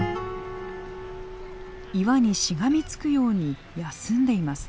岩にしがみつくように休んでいます。